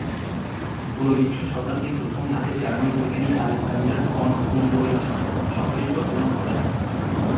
ঊনবিংশ শতাব্দীর প্রথম ভাগে জার্মান বৈজ্ঞানিক আলেকজান্ডার ফন হুমবোল্ড্ট্ শব্দটির প্রচলন ঘটান।